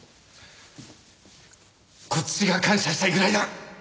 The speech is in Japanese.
こっちが感謝したいぐらいだ。